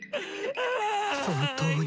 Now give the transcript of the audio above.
本当に。